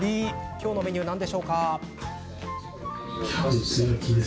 今日のメニューは何でしょうか？